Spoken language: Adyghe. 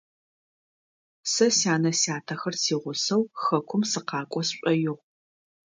Сэ сянэ-сятэхэр сигъусэу хэкум сыкъакӏо сшӏоигъу.